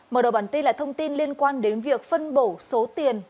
mở đầu bản tin là thông tin liên quan đến việc phân bổ số tiền